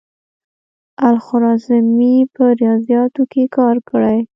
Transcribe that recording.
الخوارزمي په ریاضیاتو کې کار کړی.